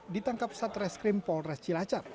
ditangkap satres krim polres cilacap